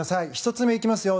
１つ目、行きますよ。